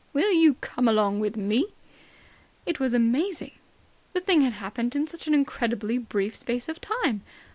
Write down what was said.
"Will you come along with me!" It was amazing. The thing had happened in such an incredibly brief space of time.